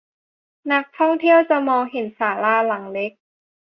นักท่องเที่ยวจะมองเห็นศาลาหลังเล็ก